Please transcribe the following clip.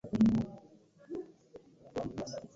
Kati olwo obulamu ne butambula nga tali ku muliro.